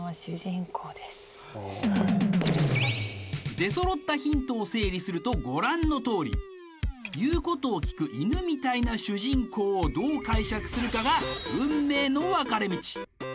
出そろったヒントを整理するとご覧のとおり言うことを聞く犬みたいな主人公をどう解釈するかが運命の分かれ道